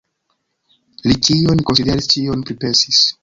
Li ĉion konsideris, ĉion pripensis.